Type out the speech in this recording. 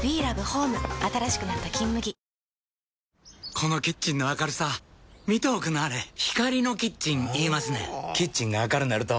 このキッチンの明るさ見ておくんなはれ光のキッチン言いますねんほぉキッチンが明るなると・・・